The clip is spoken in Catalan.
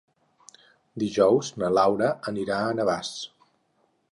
Dijous na Laura anirà a Navàs.